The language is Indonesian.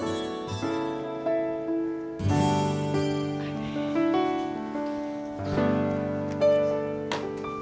sampai jumpa lagi